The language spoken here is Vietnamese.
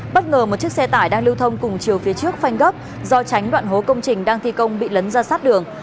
bất ngờ một chiếc xe tải đang lưu thông cùng chiều phía trước phanh gấp do tránh đoạn hố công trình đang thi công bị lấn ra sát đường